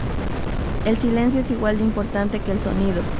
El silencio es igual de importante que el sonido.